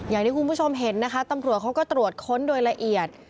อย่างที่คุณผู้ชมเห็นนะคะตำรวจเขาก็ตรวจค้นโดยละเอียด